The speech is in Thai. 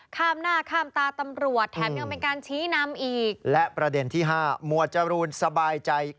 ความจริงแล้วจ้า